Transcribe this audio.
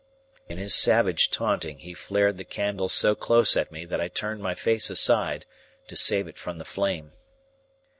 In his savage taunting, he flared the candle so close at me that I turned my face aside to save it from the flame.